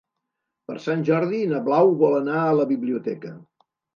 Per Sant Jordi na Blau vol anar a la biblioteca.